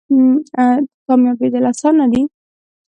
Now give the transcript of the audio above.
کامیابیدل اسانه دی؟